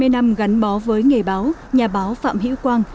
hai mươi năm gắn bó với nghề báo nhà báo phạm hữu quang